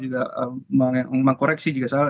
juga mengkoreksi jika saya salah